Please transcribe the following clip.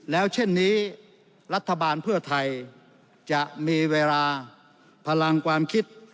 แล้วเช่นนี้รัฐบาลเพื่อไทยจะมีเวลาพลังความคิด